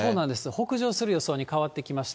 北上する予想に変わってきました。